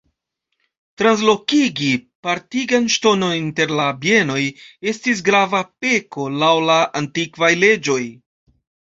Translokigi partigan ŝtonon inter la bienoj estis grava peko laŭ la antikvaj leĝoj.